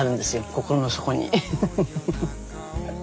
心の底に。